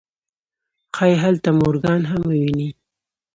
ښايي هلته مورګان هم وويني.